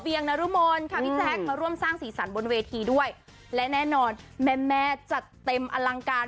งนรมนค่ะพี่แจ๊คมาร่วมสร้างสีสันบนเวทีด้วยและแน่นอนแม่แม่จัดเต็มอลังการ